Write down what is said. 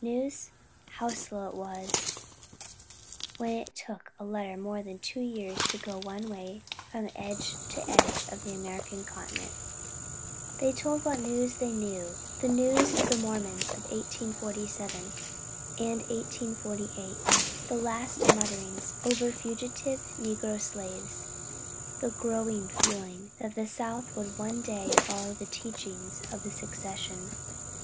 News? How slow it was, when it took a letter more than two years to go one way from edge to edge of the American continent! They told what news they knew the news of the Mormons of 1847 and 1848; the latest mutterings over fugitive negro slaves; the growing feeling that the South would one day follow the teachings of secession.